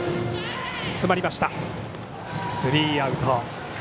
スリーアウト。